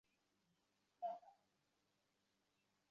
তাতে তাদের শখ মিটবে না তা জানি, কিন্তু শখ মেটাবার সময় এখন নয়।